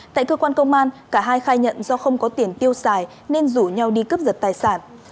tại cơ quan công an cả hai khai nhận do không có tiền tiêu xài nên rủ nhau đi cướp giật tài sản